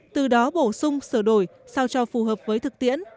từ đó bổ sung sửa đổi sao cho phù hợp với thực tiễn